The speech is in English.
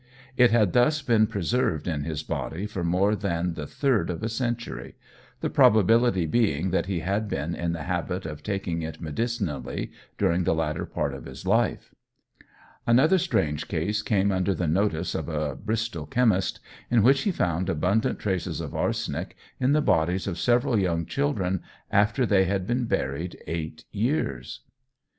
It had thus been preserved in his body for more than the third of a century, the probability being, that he had been in the habit of taking it medicinally during the latter part of his life. Another strange case came under the notice of a Bristol chemist, in which he found abundant traces of arsenic in the bodies of several young children after they had been buried eight years.